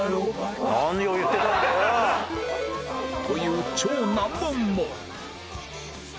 という超難問も